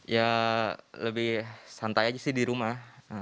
ya lebih santai aja sih di rumah